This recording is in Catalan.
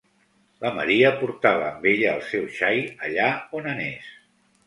La Maria portava amb ella el seu xai, allà on anés.